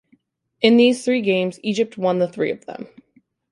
In these three games, Egypt won the three of them.